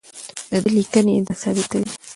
د ده لیکنې دا ثابتوي.